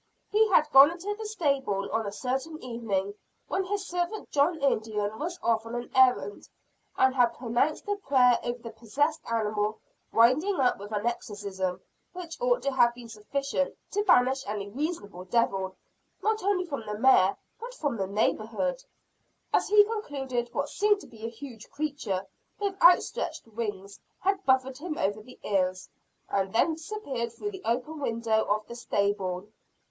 He had gone into the stable on a certain evening, when his servant John Indian was off on an errand; and had pronounced a prayer over the possessed animal winding up with an exorcism which ought to have been sufficient to banish any reasonable devil, not only from the mare, but from the neighborhood. As he concluded, what seemed to be a huge creature, with outstretched wings, had buffeted him over the ears, and then disappeared through the open window of the stable.